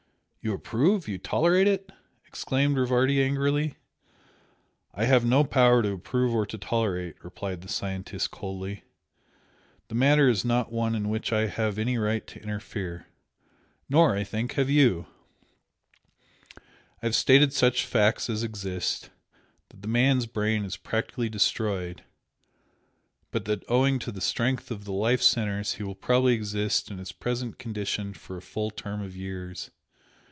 "You approve you tolerate it?" exclaimed Rivardi angrily. "I have no power to approve or to tolerate" replied the scientist, coldly "The matter is not one in which I have any right to interfere. Nor, I think, have YOU! I have stated such facts as exist that the man's brain is practically destroyed but that owing to the strength of the life centres he will probably exist in his present condition for a full term of years.